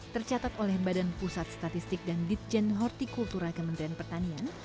tercatat oleh badan pusat statistik dan ditjen hortikultura kementerian pertanian